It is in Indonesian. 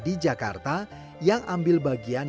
di jakarta yang ambil bagian